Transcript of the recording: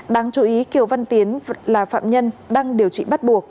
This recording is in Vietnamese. đáng chú ý kiều văn tiến là phạm nhân đang điều trị bắt buộc